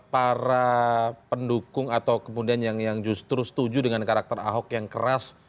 para pendukung atau kemudian yang justru setuju dengan karakter ahok yang keras